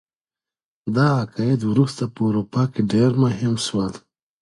دا عقاید وروسته په اروپا کي ډیر مهم سول.